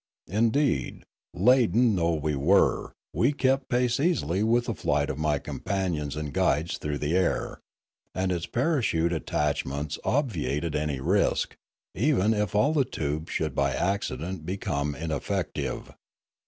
Indeed, laden though we were, we kept pace easily with the flight of my companions and guides through the air; and its parachute attachments ob viated any risk, even if all the tubes should by accident become ineffective.